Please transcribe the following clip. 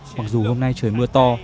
mặc dù hôm nay trời mưa to